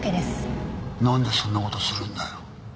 なんでそんな事するんだよ。